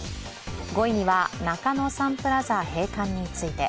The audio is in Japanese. ５位には、中野サンプラザ閉館について。